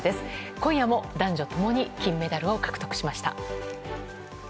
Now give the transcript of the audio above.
今夜も男女共に金メダルを獲得しました。